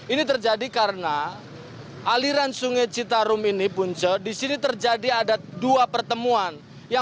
ini terjadi karena aliran sungai citarum ini punca disini terjadi ada dua pertemuan